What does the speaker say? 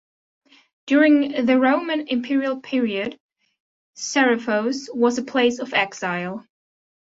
During the Roman imperial period, Serifos was a place of exile.